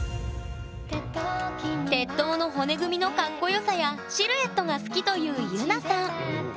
鉄塔の骨組みのかっこよさやシルエットが好きというゆなさん。